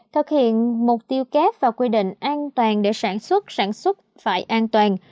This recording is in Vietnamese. thực hiện mục tiêu kép và quy định an toàn để sản xuất sản xuất phải an toàn